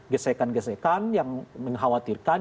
gesekan gesekan yang mengkhawatirkan